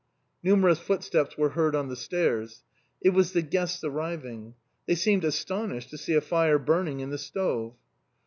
Numerous footsteps were heard on the stairs. It was the guests arriving. They seemed astonished to see a fire burning in the stove.